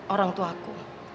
orang tua aku